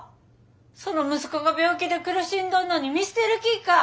その息子が病気で苦しんどんのに見捨てる気ぃか！